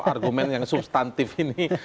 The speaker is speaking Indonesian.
argumen yang substantif ini